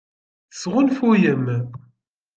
Tesɣunfuyem.